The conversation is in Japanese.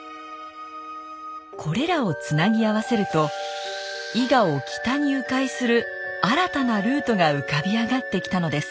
これらをつなぎ合わせると伊賀を北にう回する新たなルートが浮かび上がってきたのです。